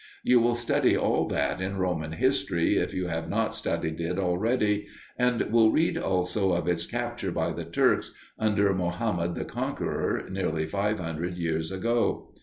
You will study all that in Roman history if you have not studied it already, and will read also of its capture by the Turks, under Mohammed the Conqueror, nearly five hundred years ago.